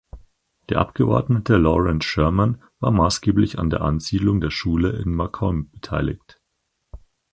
Der Abgeordnete Lawrence Sherman war maßgeblich an der Ansiedlung der Schule in Macomb beteiligt.